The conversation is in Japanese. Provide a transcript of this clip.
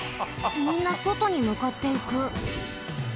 みんなそとにむかっていく。